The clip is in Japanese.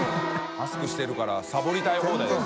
マスクしてるからサボりたい放題ですよね。